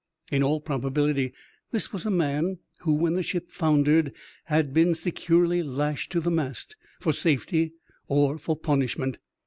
In all probability, this was a man who, when the ship foundered, had been securely lashed to the mast, for safety or for punishment.